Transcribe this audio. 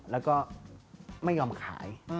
แล้วก็ไม่ยอมขาย